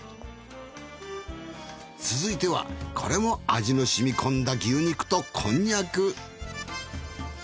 続いてはこれも味のしみ込んだ牛肉とこんにゃく。